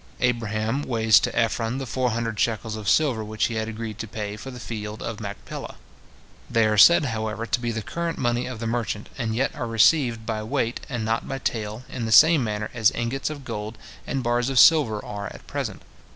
Abraham weighs to Ephron the four hundred shekels of silver which he had agreed to pay for the field of Machpelah. They are said, however, to be the current money of the merchant, and yet are received by weight, and not by tale, in the same manner as ingots of gold and bars of silver are at present.